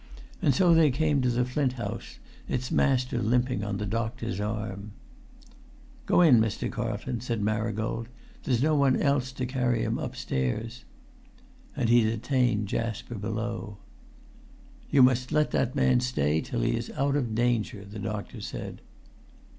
And so they came to the Flint House, its master limping on the doctor's arm. "Go in, Mr. Carlton," said Marigold. "There's no one else to carry him upstairs." And he detained Jasper below. "You must let that man stay till he is out of danger," the doctor said.